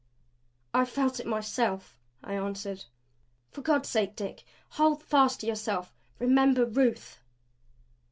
"I felt it myself," I answered: "For God's sake, Dick hold fast to yourself! Remember Ruth!"